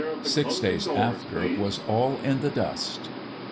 Six days after was all in the dust!"